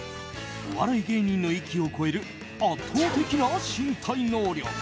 お笑い芸人の域を超える圧倒的な身体能力。